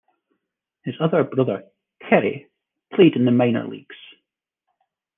His other brother, Kerry, played in the minor leagues.